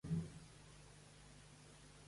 Què és el que passa al sol post?